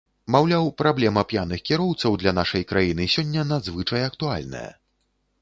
Маўляў, праблема п'яных кіроўцаў для нашай краіны сёння надзвычай актуальная.